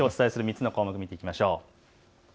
お伝えする３つの項目を見ていきましょう。